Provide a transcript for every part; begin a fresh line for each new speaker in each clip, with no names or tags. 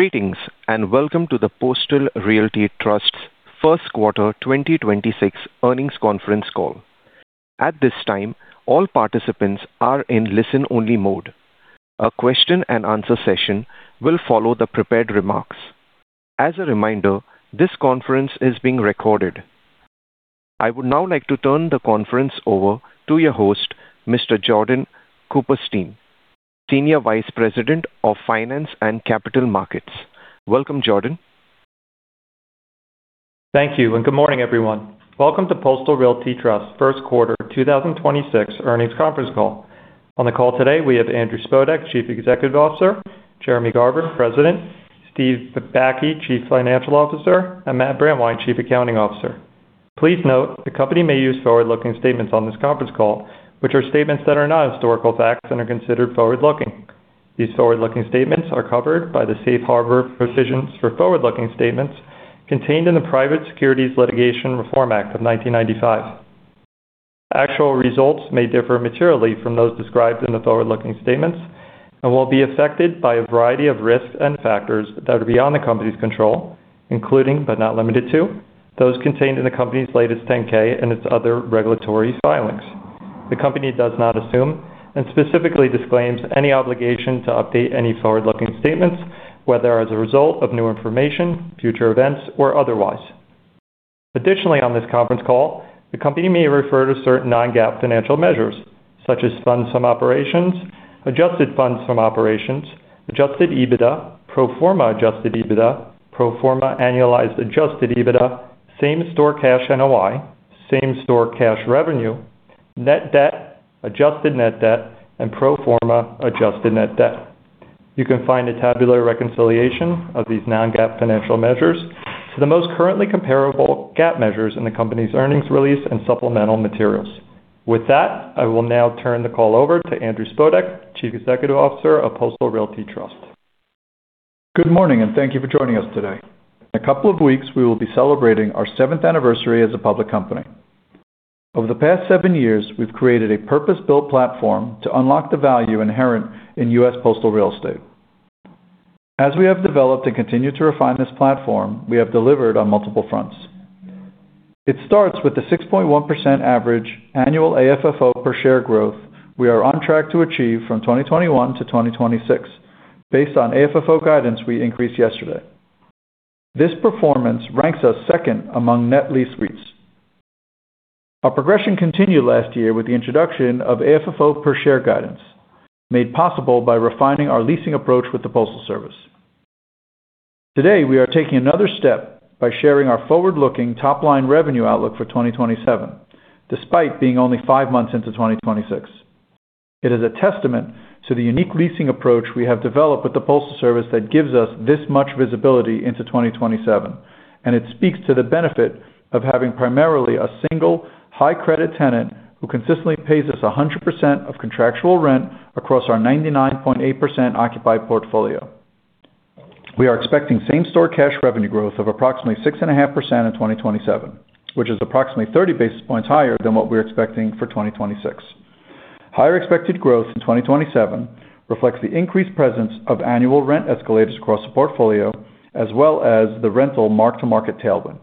Greetings, welcome to the Postal Realty Trust first quarter 2026 earnings conference call. At this time, all participants are in listen-only mode. A question and answer session will follow the prepared remarks. As a reminder, this conference is being recorded. I would now like to turn the conference over to your host, Mr. Jordan Cooperstein, Senior Vice President of Finance and Capital Markets. Welcome, Jordan.
Thank you, and good morning, everyone. Welcome to Postal Realty Trust first quarter 2026 earnings conference call. On the call today, we have Andrew Spodek, Chief Executive Officer, Jeremy Garber, President, Steve Bakke, Chief Financial Officer, and Matt Brandwein, Chief Accounting Officer. Please note, the company may use forward-looking statements on this conference call, which are statements that are not historical facts and are considered forward-looking. These forward-looking statements are covered by the safe harbor provisions for forward-looking statements contained in the Private Securities Litigation Reform Act of 1995. Actual results may differ materially from those described in the forward-looking statements and will be affected by a variety of risks and factors that are beyond the company's control, including, but not limited to, those contained in the company's latest 10-K and its other regulatory filings. The company does not assume and specifically disclaims any obligation to update any forward-looking statements, whether as a result of new information, future events, or otherwise. Additionally, on this conference call, the company may refer to certain non-GAAP financial measures, such as Funds From Operations, Adjusted Funds From Operations, Adjusted EBITDA, pro forma Adjusted EBITDA, pro forma annualized Adjusted EBITDA, same-store cash NOI, same-store cash revenue, net debt, adjusted net debt, and pro forma adjusted net debt. You can find a tabular reconciliation of these non-GAAP financial measures to the most currently comparable GAAP measures in the company's earnings release and supplemental materials. With that, I will now turn the call over to Andrew Spodek, Chief Executive Officer of Postal Realty Trust.
Good morning, and thank you for joining us today. In a couple of weeks, we will be celebrating our 7th anniversary as a public company. Over the past seven years, we've created a purpose-built platform to unlock the value inherent in U.S. Postal real estate. As we have developed and continue to refine this platform, we have delivered on multiple fronts. It starts with the 6.1% average annual AFFO per share growth we are on track to achieve from 2021 to 2026 based on AFFO guidance we increased yesterday. This performance ranks us second among net lease REITs. Our progression continued last year with the introduction of AFFO per share guidance, made possible by refining our leasing approach with the Postal Service. Today, we are taking another step by sharing our forward-looking top-line revenue outlook for 2027, despite being only five months into 2026. It is a testament to the unique leasing approach we have developed with the Postal Service that gives us this much visibility into 2027, and it speaks to the benefit of having primarily a single high credit tenant who consistently pays us 100% of contractual rent across our 99.8% occupied portfolio. We are expecting same-store cash revenue growth of approximately 6.5% in 2027, which is approximately 30 basis points higher than what we're expecting for 2026. Higher expected growth in 2027 reflects the increased presence of annual rent escalators across the portfolio, as well as the rental mark-to-market tailwind.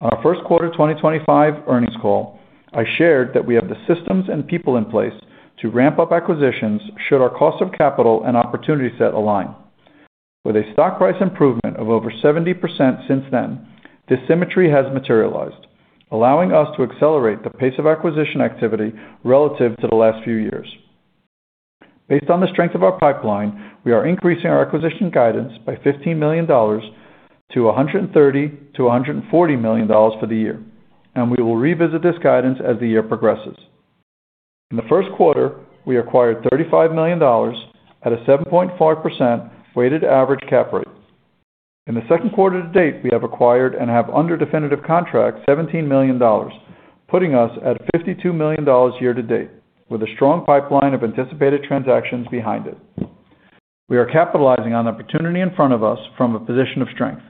On our first quarter 2025 earnings call, I shared that we have the systems and people in place to ramp up acquisitions should our cost of capital and opportunity set align. With a stock price improvement of over 70% since then, this symmetry has materialized, allowing us to accelerate the pace of acquisition activity relative to the last few years. Based on the strength of our pipeline, we are increasing our acquisition guidance by $15 million to $130 million-$140 million for the year, and we will revisit this guidance as the year progresses. In the first quarter, we acquired $35 million at a 7.4% weighted average cap rate. In the second quarter to date, we have acquired and have under definitive contract $17 million, putting us at $52 million year to date with a strong pipeline of anticipated transactions behind it. We are capitalizing on the opportunity in front of us from a position of strength.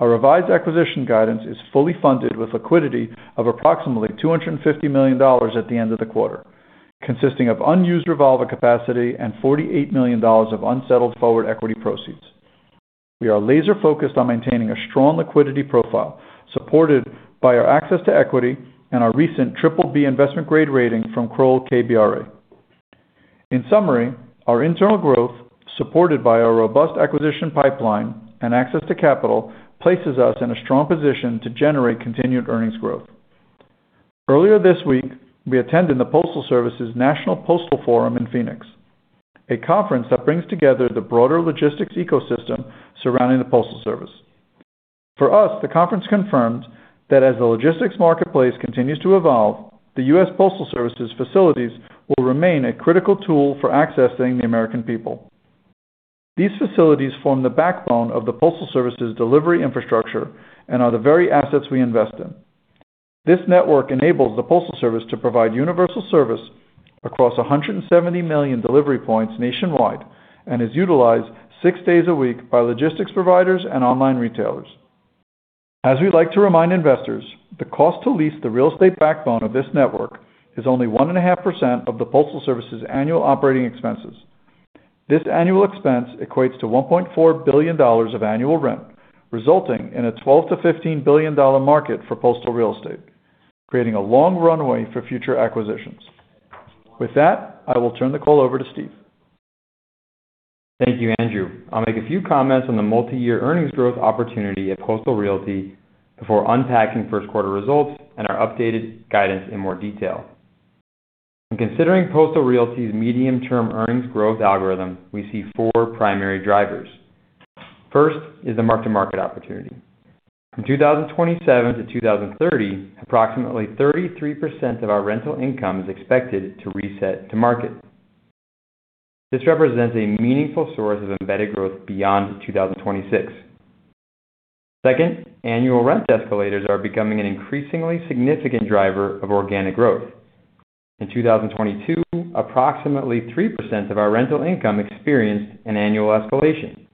Our revised acquisition guidance is fully funded with liquidity of approximately $250 million at the end of the quarter, consisting of unused revolver capacity and $48 million of unsettled forward equity proceeds. We are laser-focused on maintaining a strong liquidity profile, supported by our access to equity and our recent BBB investment grade rating from Kroll KBRA. In summary, our internal growth, supported by our robust acquisition pipeline and access to capital, places us in a strong position to generate continued earnings growth. Earlier this week, we attended the Postal Service's National Postal Forum in Phoenix, a conference that brings together the broader logistics ecosystem surrounding the Postal Service. For us, the conference confirms that as the logistics marketplace continues to evolve, the U.S. Postal Service's facilities will remain a critical tool for accessing the American people. These facilities form the backbone of the Postal Service's delivery infrastructure and are the very assets we invest in. This network enables the Postal Service to provide universal service across 170 million delivery points nationwide and is utilized 6 days a week by logistics providers and online retailers. As we'd like to remind investors, the cost to lease the real estate backbone of this network is only one and a half % of the Postal Service's annual operating expenses. This annual expense equates to $1.4 billion of annual rent, resulting in a $12 billion-$15 billion market for postal real estate, creating a long runway for future acquisitions. With that, I will turn the call over to Steve.
Thank you, Andrew. I'll make a few comments on the multi-year earnings growth opportunity at Postal Realty before unpacking 1st quarter results and our updated guidance in more detail. In considering Postal Realty's medium-term earnings growth algorithm, we see four primary drivers. 1st is the mark-to-market opportunity. From 2027 to 2030, approximately 33% of our rental income is expected to reset to market. This represents a meaningful source of embedded growth beyond 2026. 2nd, annual rent escalators are becoming an increasingly significant driver of organic growth. In 2022, approximately 3% of our rental income experienced an annual escalation.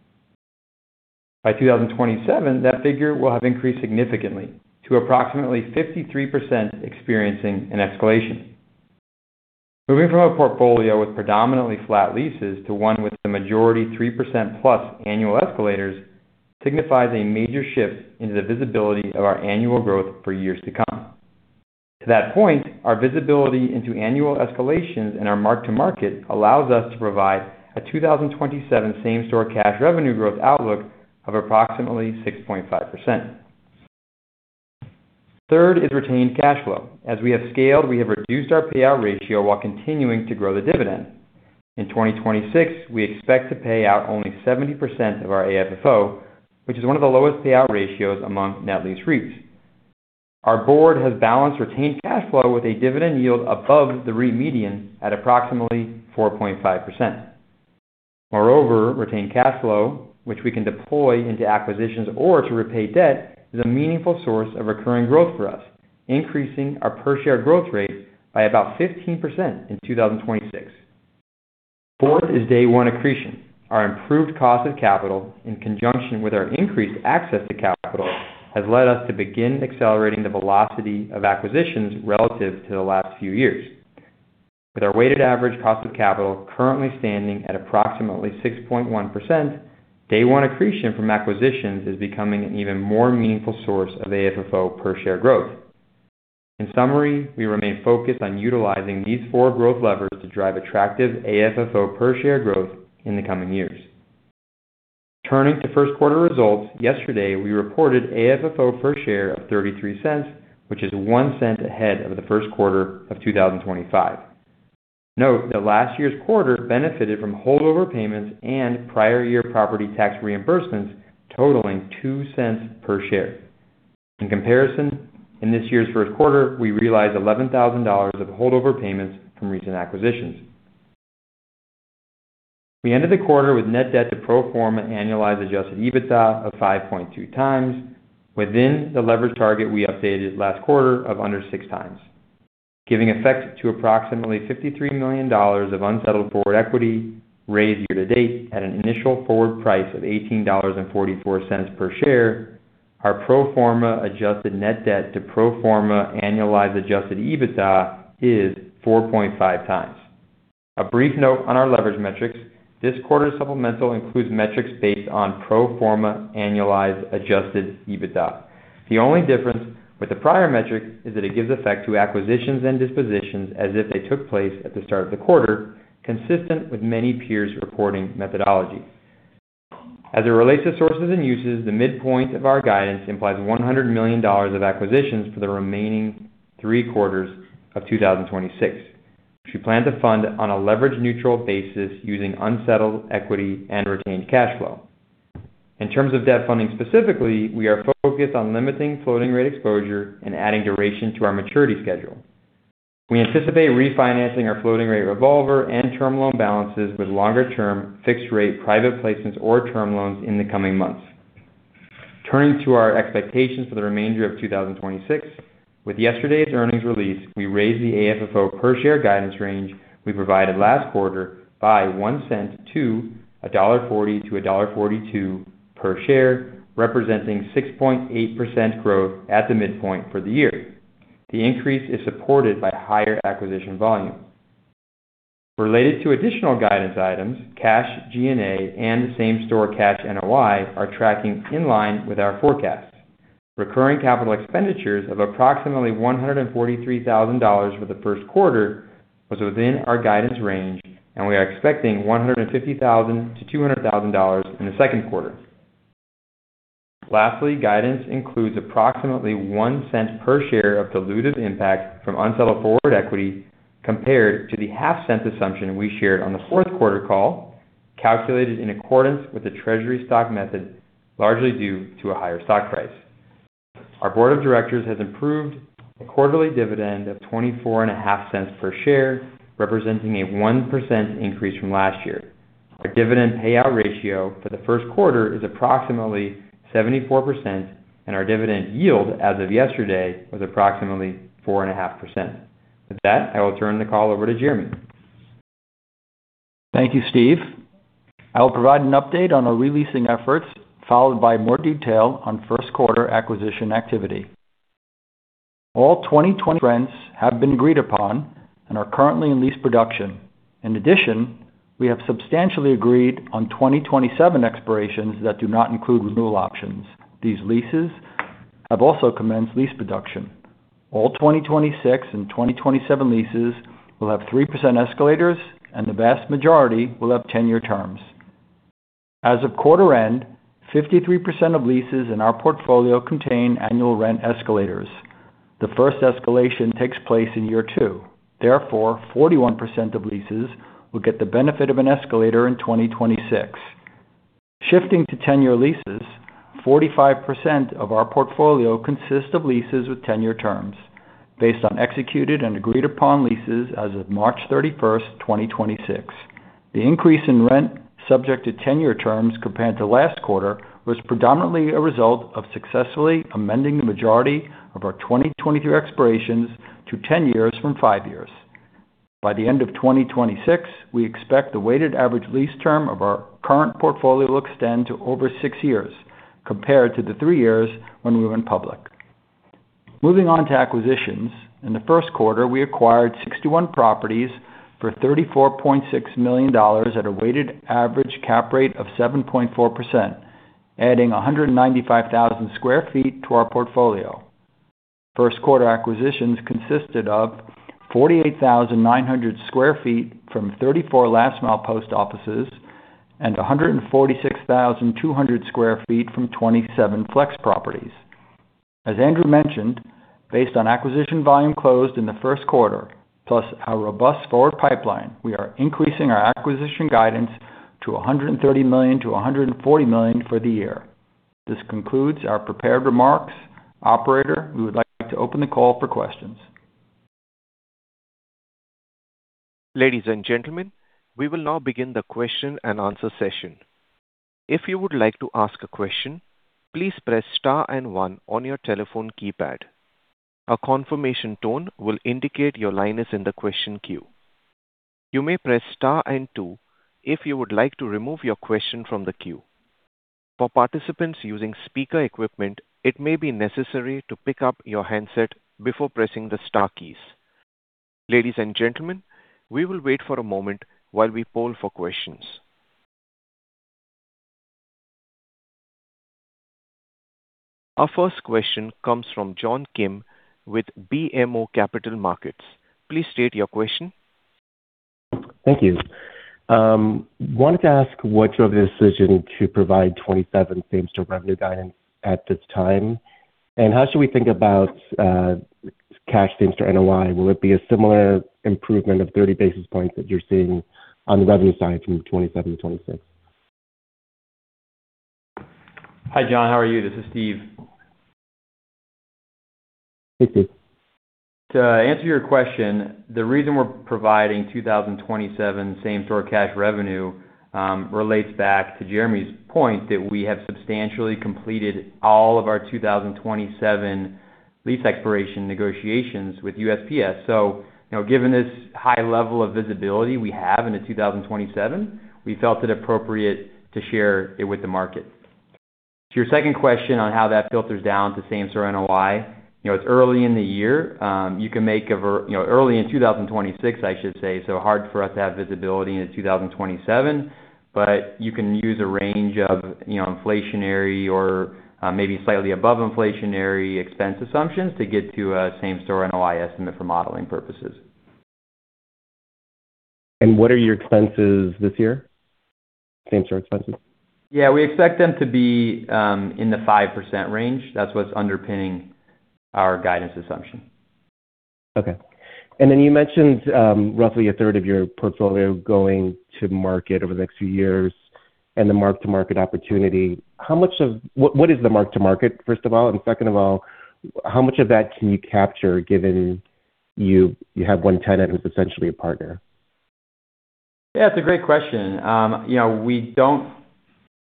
By 2027, that figure will have increased significantly to approximately 53% experiencing an escalation. Moving from a portfolio with predominantly flat leases to one with the majority 3%+ annual escalators signifies a major shift into the visibility of our annual growth for years to come. To that point, our visibility into annual escalations and our mark-to-market allows us to provide a 2027 same-store cash revenue growth outlook of approximately 6.5%. Third is retained cash flow. As we have scaled, we have reduced our payout ratio while continuing to grow the dividend. In 2026, we expect to pay out only 70% of our AFFO, which is one of the lowest payout ratios among net lease REITs. Our board has balanced retained cash flow with a dividend yield above the REIT median at approximately 4.5%. Moreover, retained cash flow, which we can deploy into acquisitions or to repay debt, is a meaningful source of recurring growth for us, increasing our per share growth rate by about 15% in 2026. Fourth is Day one accretion. Our improved cost of capital, in conjunction with our increased access to capital, has led us to begin accelerating the velocity of acquisitions relative to the last few years. With our weighted average cost of capital currently standing at approximately 6.1%, Day one accretion from acquisitions is becoming an even more meaningful source of AFFO per share growth. In summary, we remain focused on utilizing these four growth levers to drive attractive AFFO per share growth in the coming years. Turning to first quarter results, yesterday we reported AFFO per share of $0.33, which is $0.01 ahead of the first quarter of 2025. Note that last year's quarter benefited from holdover payments and prior year property tax reimbursements totaling $0.02 per share. In comparison, in this year's first quarter, we realized $11,000 of holdover payments from recent acquisitions. We ended the quarter with net debt to pro forma annualized Adjusted EBITDA of 5.2x within the leverage target we updated last quarter of under 6x. Giving effect to approximately $53 million of unsettled forward equity raised year to date at an initial forward price of $18.44 per share, our pro forma adjusted net debt to pro forma annualized Adjusted EBITDA is 4.5x. A brief note on our leverage metrics. This quarter's supplemental includes metrics based on pro forma annualized Adjusted EBITDA. The only difference with the prior metric is that it gives effect to acquisitions and dispositions as if they took place at the start of the quarter, consistent with many peers' reporting methodology. As it relates to sources and uses, the midpoint of our guidance implies $100 million of acquisitions for the remaining three quarters of 2026, which we plan to fund on a leverage neutral basis using unsettled equity and retained cash flow. In terms of debt funding specifically, we are focused on limiting floating rate exposure and adding duration to our maturity schedule. We anticipate refinancing our floating rate revolver and term loan balances with longer term fixed rate private placements or term loans in the coming months. Turning to our expectations for the remainder of 2026, with yesterday's earnings release, we raised the AFFO per share guidance range we provided last quarter by $0.01 to $1.40-$1.42 per share, representing 6.8% growth at the midpoint for the year. The increase is supported by higher acquisition volume. Related to additional guidance items, cash G&A and same-store cash NOI are tracking in line with our forecasts. Recurring capital expenditures of approximately $143,000 for the first quarter was within our guidance range, and we are expecting $150,000-$200,000 in the second quarter. Lastly, guidance includes approximately $0.01 per share of dilutive impact from unsettled forward equity compared to the $0.005 assumption we shared on the fourth quarter call, calculated in accordance with the treasury stock method, largely due to a higher stock price. Our board of directors has approved a quarterly dividend of $0.245 per share, representing a 1% increase from last year. Our dividend payout ratio for the first quarter is approximately 74%, and our dividend yield as of yesterday was approximately 4.5%. With that, I will turn the call over to Jeremy.
Thank you, Steve. I'll provide an update on our re-leasing efforts, followed by more detail on first quarter acquisition activity. All 2020 rents have been agreed upon and are currently in lease production. In addition, we have substantially agreed on 2027 expirations that do not include renewal options. These leases have also commenced lease production. All 2026 and 2027 leases will have 3% escalators, and the vast majority will have 10-year terms. As of quarter end, 53% of leases in our portfolio contain annual rent escalators. The first escalation takes place in year two. Therefore, 41% of leases will get the benefit of an escalator in 2026. Shifting to 10-year leases, 45% of our portfolio consists of leases with 10-year terms based on executed and agreed upon leases as of March 31st, 2026. The increase in rent subject to 10-year terms compared to last quarter was predominantly a result of successfully amending the majority of our 2022 expirations to 10 years from five years. By the end of 2026, we expect the weighted average lease term of our current portfolio to extend to over six years compared to the three years when we went public. Moving on to acquisitions. In the first quarter, we acquired 61 properties for $34.6 million at a weighted average cap rate of 7.4%, adding 195,000 sq ft to our portfolio. First quarter acquisitions consisted of 48,900 sq ft from 34 last mile post offices and 146,200 sq ft from 27 flex properties. As Andrew mentioned, based on acquisition volume closed in the first quarter, plus our robust forward pipeline, we are increasing our acquisition guidance to $130 million-$140 million for the year. This concludes our prepared remarks. Operator, we would like to open the call for questions.
Ladies and gentlemen, we will now begin the question and answer session. If you would like to ask a question, please press star and one on your telephone keypad. A confirmation tone will indicate your line is in the question queue. You may press star and two if you would like to remove your question from the queue. All participants using speaker equipment it may be necessary to pick up your handset before pressing the star keys. Ladies and gentlemen, we will wait for a moment while we poll for questions. Our first question comes from John Kim with BMO Capital Markets. Please state your question.
Thank you. Wanted to ask what drove the decision to provide 2027 same-store revenue guidance at this time? How should we think about cash same-store NOI? Will it be a similar improvement of 30 basis points that you're seeing on the revenue side from 2027 to 2026?
Hi, John. How are you? This is Steve.
Hey, Steve.
To answer your question, the reason we're providing 2027 same-store cash revenue relates back to Jeremy's point that we have substantially completed all of our 2027 lease expiration negotiations with USPS. You know, given this high level of visibility we have into 2027, we felt it appropriate to share it with the market. To your second question on how that filters down to same-store NOI, you know, it's early in the year. You know, early in 2026, I should say, so hard for us to have visibility into 2027, but you can use a range of, you know, inflationary or maybe slightly above inflationary expense assumptions to get to a same-store NOI estimate for modeling purposes.
What are your expenses this year? Same-store expenses.
Yeah, we expect them to be in the 5% range. That's what's underpinning our guidance assumption.
Okay. You mentioned, roughly a third of your portfolio going to market over the next few years and the mark-to-market opportunity. What is the mark-to-market, first of all? Second of all, how much of that can you capture given you have one tenant who's essentially a partner?
Yeah, it's a great question. You know, we don't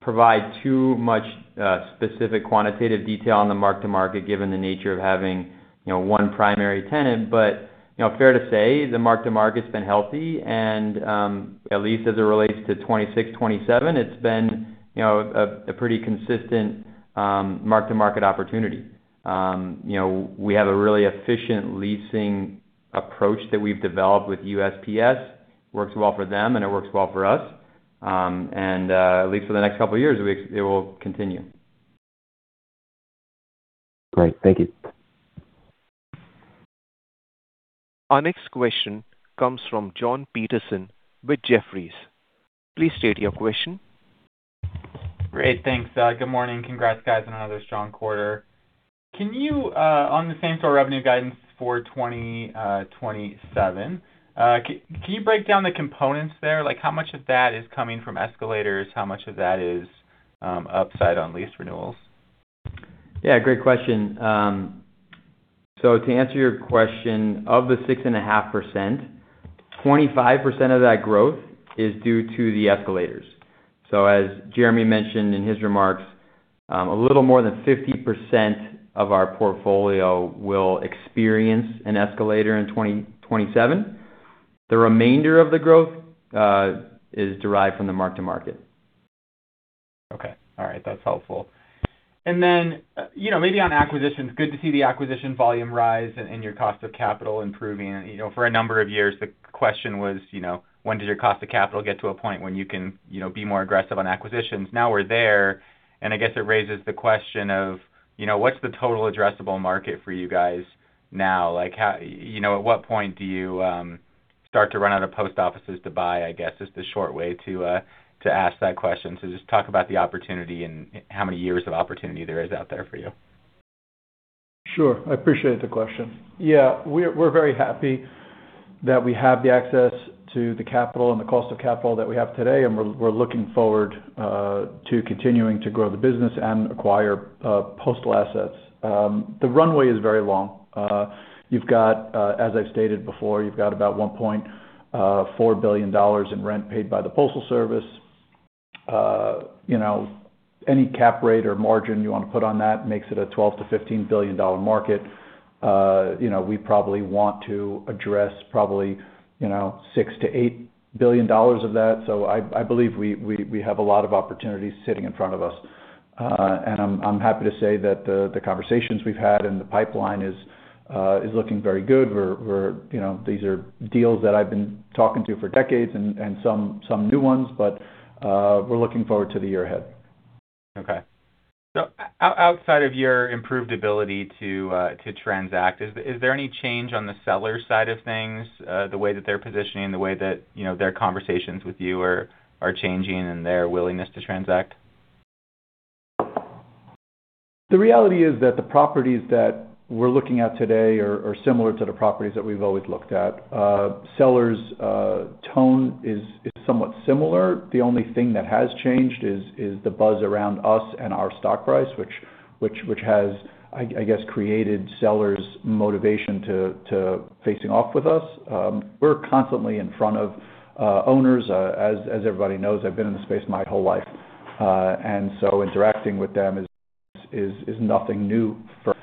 provide too much specific quantitative detail on the mark-to-market, given the nature of having, you know, one primary tenant. You know, fair to say, the mark-to-market's been healthy. At least as it relates to 26, 27, it's been, you know, a pretty consistent mark-to-market opportunity. You know, we have a really efficient leasing approach that we've developed with USPS. Works well for them, and it works well for us. At least for the next couple of years, it will continue.
Great. Thank you.
Our next question comes from Jon Petersen with Jefferies. Please state your question.
Great. Thanks. Good morning. Congrats, guys, on another strong quarter. Can you, on the same-store revenue guidance for 2027, can you break down the components there? Like, how much of that is coming from escalators? How much of that is, upside on lease renewals?
Yeah, great question. To answer your question, of the 6.5%, 25% of that growth is due to the escalators. As Jeremy mentioned in his remarks. A little more than 50% of our portfolio will experience an escalator in 2027. The remainder of the growth is derived from the mark-to-market.
Okay. All right. That's helpful. You know, maybe on acquisitions, good to see the acquisition volume rise and your cost of capital improving. You know, for a number of years, the question was, you know, when does your cost of capital get to a point when you can, you know, be more aggressive on acquisitions? Now we're there, and I guess it raises the question of, you know, what's the total addressable market for you guys now? Like how You know, at what point do you start to run out of post offices to buy, I guess, is the short way to ask that question. Just talk about the opportunity and how many years of opportunity there is out there for you.
Sure. I appreciate the question. Yeah. We're very happy that we have the access to the capital and the cost of capital that we have today, and we're looking forward to continuing to grow the business and acquire Postal assets. The runway is very long. You've got, as I've stated before, you've got about $1.4 billion in rent paid by the Postal Service. You know, any cap rate or margin you wanna put on that makes it a $12 billion-$15 billion market. You know, we probably want to address probably, you know, $6 billion-$8 billion of that. I believe we have a lot of opportunities sitting in front of us. I'm happy to say that the conversations we've had and the pipeline is looking very good. We're, you know, these are deals that I've been talking to for decades and some new ones, but we're looking forward to the year ahead.
Outside of your improved ability to transact, is there any change on the seller side of things, the way that they're positioning, the way that, you know, their conversations with you are changing and their willingness to transact?
The reality is that the properties that we're looking at today are similar to the properties that we've always looked at. Sellers' tone is somewhat similar. The only thing that has changed is the buzz around us and our stock price, which has, I guess, created sellers' motivation to facing off with us. We're constantly in front of owners. As everybody knows, I've been in the space my whole life. Interacting with them is nothing new for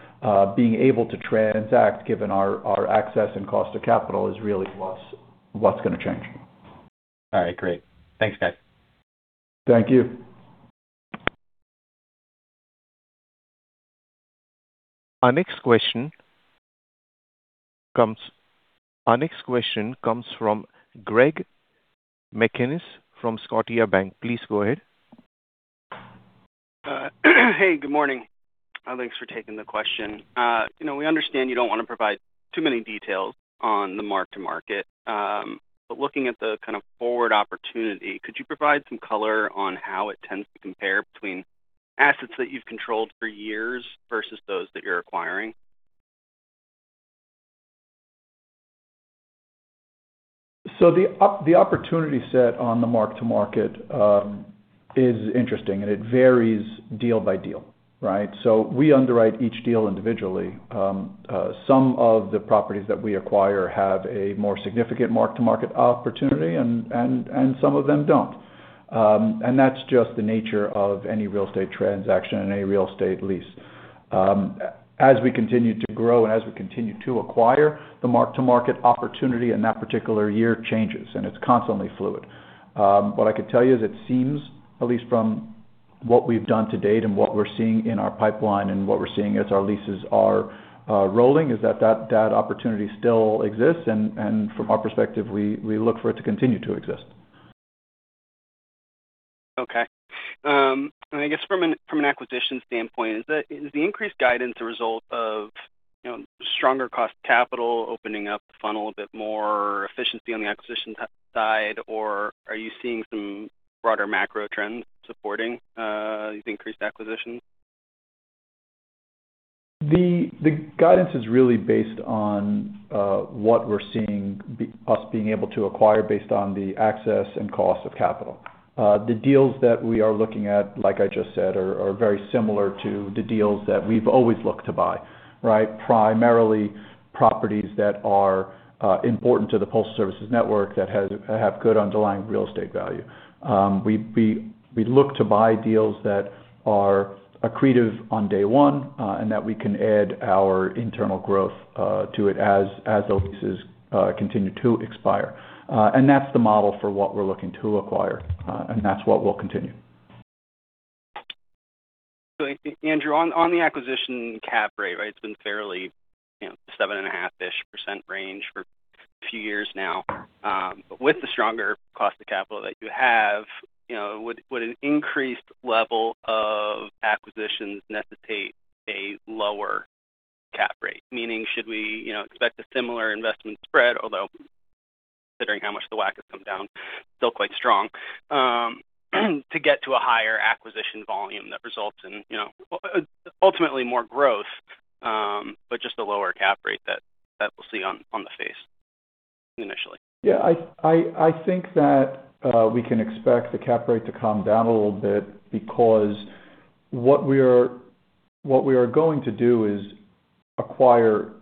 being able to transact given our access and cost of capital is really what's gonna change.
All right, great. Thanks, guys.
Thank you.
Our next question comes from Greg McGinniss from Scotiabank. Please go ahead.
Hey, good morning. Thanks for taking the question. You know, we understand you don't wanna provide too many details on the mark-to-market, but looking at the kind of forward opportunity, could you provide some color on how it tends to compare between assets that you've controlled for years versus those that you're acquiring?
The opportunity set on the mark-to-market is interesting, and it varies deal by deal, right? We underwrite each deal individually. Some of the properties that we acquire have a more significant mark-to-market opportunity and some of them don't. That's just the nature of any real estate transaction and any real estate lease. As we continue to grow and as we continue to acquire the mark-to-market opportunity in that particular year changes, and it's constantly fluid. What I could tell you is it seems, at least from what we've done to date and what we're seeing in our pipeline and what we're seeing as our leases are rolling, is that opportunity still exists. From our perspective, we look for it to continue to exist.
Okay. I guess from an acquisition standpoint, is the increased guidance a result of, you know, stronger cost capital opening up the funnel a bit more efficiency on the acquisition side, or are you seeing some broader macro trends supporting these increased acquisitions?
The guidance is really based on what we're seeing us being able to acquire based on the access and cost of capital. The deals that we are looking at, like I just said, are very similar to the deals that we've always looked to buy, right? Primarily properties that are important to the Postal Service's network that have good underlying real estate value. We look to buy deals that are accretive on day one, and that we can add our internal growth to it as those leases continue to expire. That's the model for what we're looking to acquire, and that's what we'll continue.
Andrew, on the acquisition cap rate, right? It's been fairly, you know, 7.5%-ish range for a few years now. With the stronger cost of capital that you have, you know, would an increased level of acquisitions necessitate a lower cap rate? Meaning should we, you know, expect a similar investment spread, although considering how much the WACC has come down, still quite strong, to get to a higher acquisition volume that results in, you know, ultimately more growth, but just a lower cap rate that we'll see on the face initially.
Yeah, I think that we can expect the cap rate to come down a little bit because what we are going to do is acquire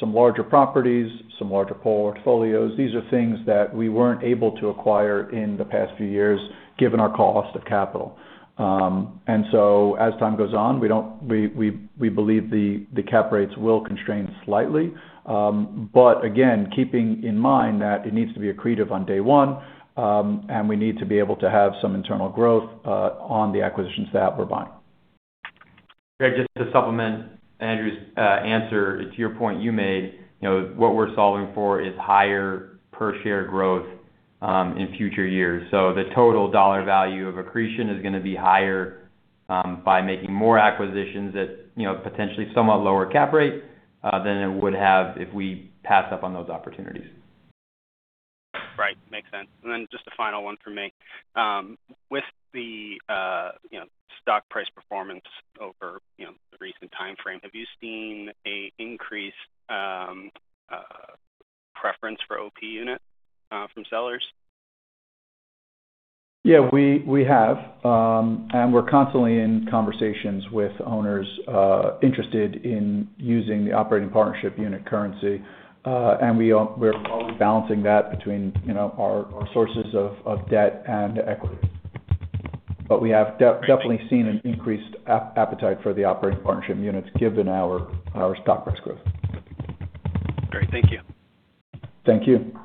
some larger properties, some larger portfolios. These are things that we weren't able to acquire in the past few years given our cost of capital. As time goes on, we believe the cap rates will constrain slightly. Again, keeping in mind that it needs to be accretive on day one, and we need to be able to have some internal growth on the acquisitions that we're buying.
Greg, just to supplement Andrew's answer to your point you made. You know, what we're solving for is higher per share growth in future years. The total dollar value of accretion is gonna be higher by making more acquisitions at, you know, potentially somewhat lower cap rate than it would have if we pass up on those opportunities.
Right. Makes sense. Just a final one from me. With the, you know, stock price performance over, you know, the recent timeframe, have you seen a increased preference for OP unit from sellers?
Yeah, we have, and we're constantly in conversations with owners, interested in using the operating partnership unit currency. And we're always balancing that between, you know, our sources of debt and equity. But we have definitely seen an increased appetite for the operating partnership units given our stock price growth.
Great. Thank you.
Thank you.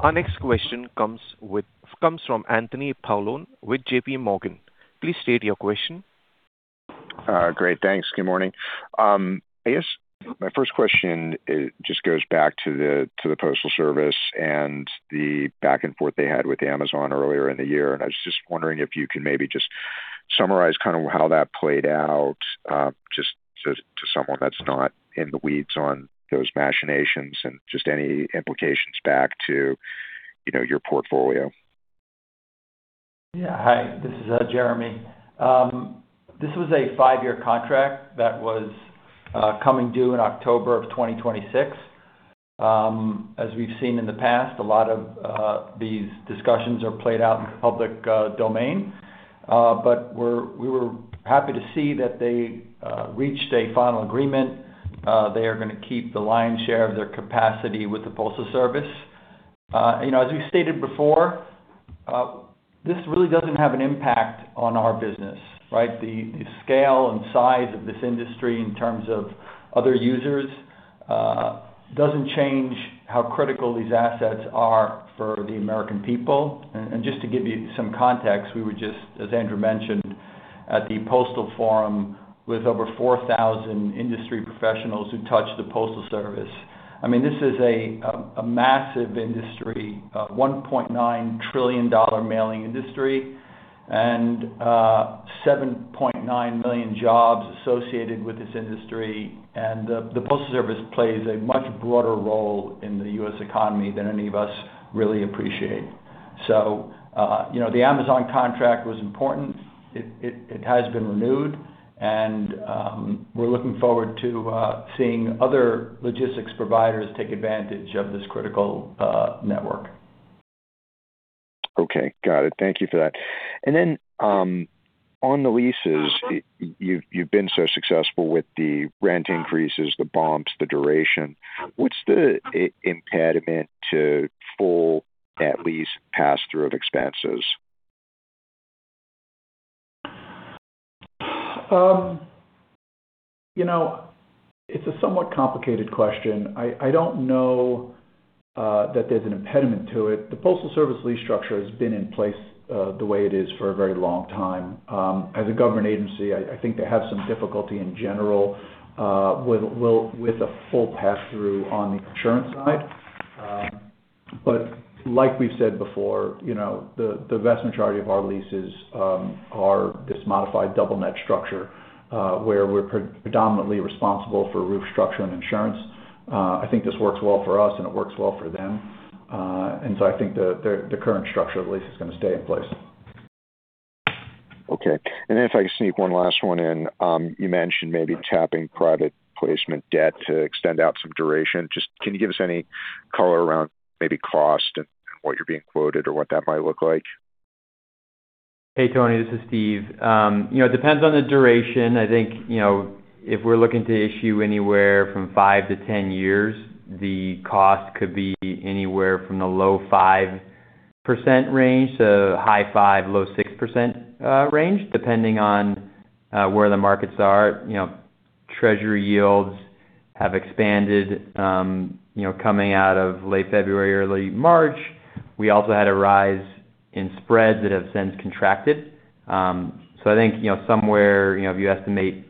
Our next question comes from Anthony Paolone with JPMorgan. Please state your question.
Great. Thanks. Good morning. I guess my first question, it just goes back to the Postal Service and the back and forth they had with Amazon earlier in the year. I was just wondering if you can maybe just summarize kind of how that played out, just to someone that's not in the weeds on those machinations and just any implications back to, you know, your portfolio.
Hi, this is Jeremy. This was a five-year contract that was coming due in October of 2026. As we've seen in the past, a lot of these discussions are played out in the public domain. We were happy to see that they reached a final agreement. They are gonna keep the lion's share of their capacity with the Postal Service. You know, as we've stated before, this really doesn't have an impact on our business, right? The scale and size of this industry in terms of other users doesn't change how critical these assets are for the American people. Just to give you some context, we were just, as Andrew mentioned, at the Postal Forum with over 4,000 industry professionals who touch the Postal Service. I mean, this is a massive industry, a $1.9 trillion mailing industry and 7.9 million jobs associated with this industry. The Postal Service plays a much broader role in the U.S. economy than any of us really appreciate. You know, the Amazon contract was important. It has been renewed, and we're looking forward to seeing other logistics providers take advantage of this critical network.
Okay. Got it. Thank you for that. Then, on the leases, you've been so successful with the rent increases, the bumps, the duration. What's the impediment to full net lease pass-through of expenses?
You know, it's a somewhat complicated question. I don't know that there's an impediment to it. The Postal Service lease structure has been in place the way it is for a very long time. As a government agency, I think they have some difficulty in general with, well, with a full pass-through on the insurance side. But like we've said before, you know, the vast majority of our leases are this modified double net structure where we're predominantly responsible for roof structure and insurance. I think this works well for us, and it works well for them. I think the current structure of the lease is gonna stay in place.
Okay. If I can sneak one last one in. You mentioned maybe tapping private placement debt to extend out some duration. Just can you give us any color around maybe cost and what you're being quoted or what that might look like?
Hey, Anthony. This is Steve. You know, it depends on the duration. I think, you know, if we're looking to issue anywhere from 5-10 years, the cost could be anywhere from the low 5% range to high 5%, low 6% range, depending on where the markets are. You know, treasury yields have expanded, you know, coming out of late February, early March. We also had a rise in spreads that have since contracted. I think, you know, somewhere, you know, if you estimate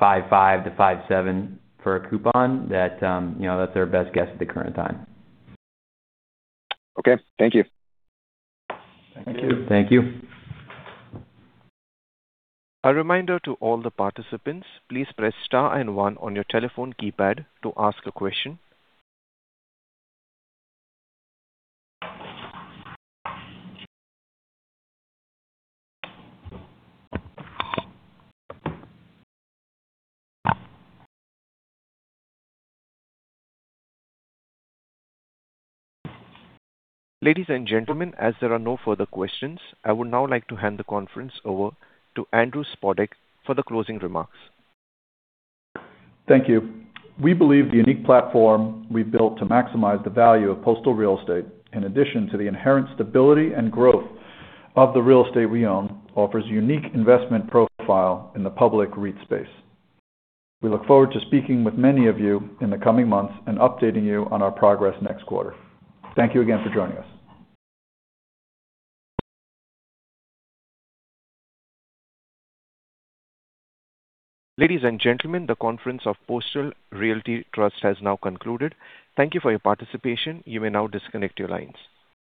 5.5-5.7 for a coupon, that, you know, that's our best guess at the current time.
Okay. Thank you.
Thank you.
Thank you.
A reminder to all the participants, please press star one on your telephone keypad to ask a question. Ladies and gentlemen, as there are no further questions, I would now like to hand the conference over to Andrew for the closing remarks.
Thank you. We believe the unique platform we've built to maximize the value of postal real estate, in addition to the inherent stability and growth of the real estate we own, offers unique investment profile in the public REIT space. We look forward to speaking with many of you in the coming months and updating you on our progress next quarter. Thank you again for joining us.
Ladies and gentlemen, the conference of Postal Realty Trust has now concluded. Thank you for your participation. You may now disconnect your lines.